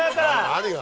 何が？